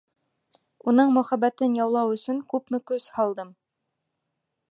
Уның мөхәббәтен яулау өсөн күпме көс һалдым!